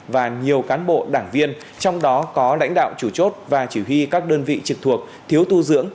và nhiều cán bộ đảng viên trong đó có lãnh đạo chủ chốt và chỉ huy các đơn vị trực thuộc thiếu tu dưỡng